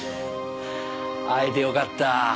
会えてよかった。